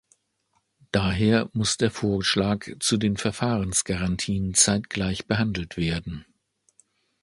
Daher muss der Vorschlag zu den Verfahrensgarantien zeitgleich behandelt werden.